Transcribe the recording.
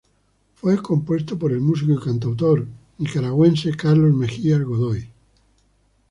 Fue compuesto por el músico y cantautor nicaragüense Carlos Mejía Godoy.